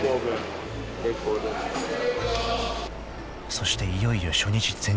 ［そしていよいよ初日前日］